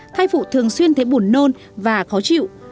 thai phụ thường xuyên thấy buồn nôn và khó chịu